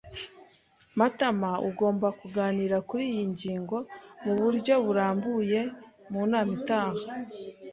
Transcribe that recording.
Matamaugomba kuganira kuriyi ngingo muburyo burambuye mu nama itaha.